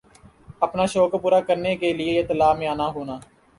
اپنا شوق کوپورا کرنا کا لئے یِہ تالاب میں آنا ہونا